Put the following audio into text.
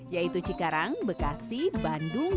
yaitu cikarang bekasi bandung